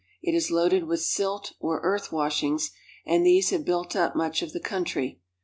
It is loaded with silt or earth washings, and these have built up much of the coun try.